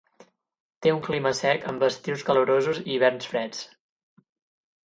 Té un clima sec amb estius calorosos i hiverns freds.